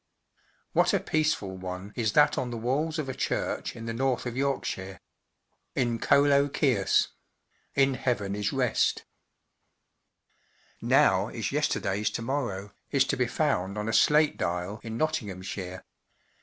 What a peaceful one is that on the walls of a church in the north of Yorkshire :— ‘"In ccelo quies 1T (In Htxtvn 11 rest j. l ' Now is yesterday s to morrow/" is to be found on a slate dial in Nottinghamshire.